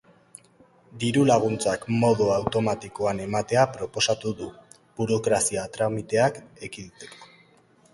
Dirulaguntzak modu automatikoan ematea proposatu du, burokrazia tramiteak ekiditeko.